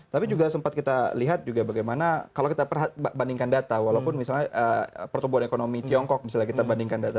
tapi juga sempat kita lihat juga bagaimana kalau kita bandingkan data walaupun misalnya pertumbuhan ekonomi tiongkok misalnya kita bandingkan data